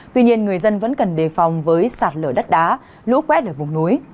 tuy nhiên người dân vẫn cần đề phòng với sạt lở đất đá lũ quét ở vùng núi